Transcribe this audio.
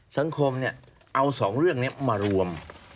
สังคมเนี่ยเอาสองเรื่องนี้มารวม